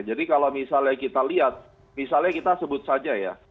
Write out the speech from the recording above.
jadi kalau misalnya kita lihat misalnya kita sebut saja ya